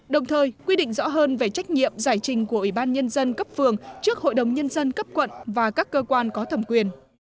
đồng thời quy định rõ hơn về trách nhiệm giải trình của ủy ban nhân dân cấp phường trước hội đồng nhân dân cấp quận và các cơ quan có thẩm quyền